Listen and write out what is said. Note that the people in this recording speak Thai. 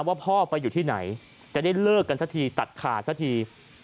ว่าพ่อไปอยู่ที่ไหนจะได้เลิกกันสักทีตัดขาดสักที